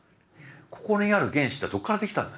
ここにある原子ってどっからできたんだ？